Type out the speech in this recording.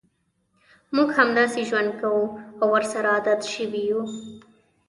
موږ همداسې ژوند کوو او ورسره عادت شوي یوو.